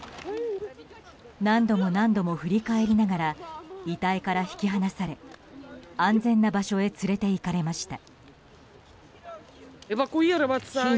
何度も何度も振り返りながら遺体から引き離され安全な場所へ連れていかれました。